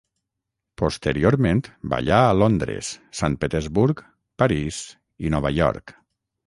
Posteriorment ballà a Londres, Sant Petersburg, París i Nova York.